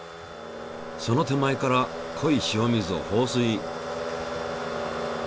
その手前から濃い塩水を放水。